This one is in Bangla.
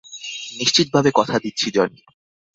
নিশ্চিতভাবে কথা দিচ্ছি, জনি।